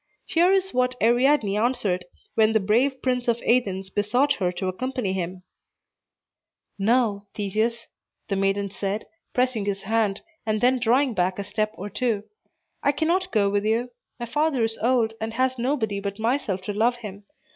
Here is what Ariadne answered, when the brave prince of Athens besought her to accompany him: "No, Theseus," the maiden said, pressing his hand, and then drawing back a step or two, "I cannot go with you. My father is old, and has nobody but myself to love him.